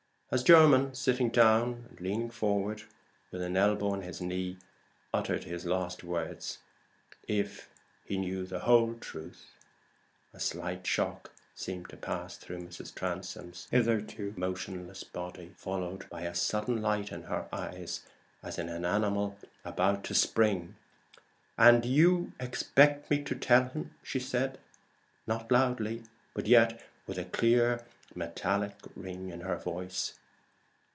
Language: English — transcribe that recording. As Jermyn, sitting down and leaning forward with an elbow on his knee, uttered his last words "if he knew the whole truth" a slight shock seemed to pass through Mrs. Transome's hitherto motionless body, followed by a sudden light in her eyes, as in an animal's about to spring. "And you expect me to tell him?" she said, not loudly, but yet with a clear metallic ring in her voice.